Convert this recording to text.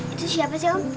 itu siapa sih om